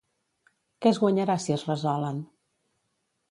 Què es guanyarà si es resolen?